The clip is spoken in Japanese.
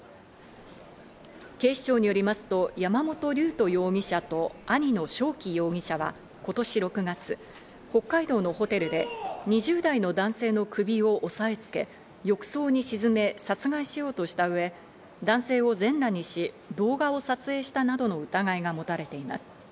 警視庁によりますと山本龍斗容疑者と兄の翔輝容疑者は今年６月、北海道のホテルで２０代の男性の首を押さえ付け、浴槽に沈め殺害しようとしたうえ、男性を全裸にし、動画を撮影したなどの疑いが持たれています。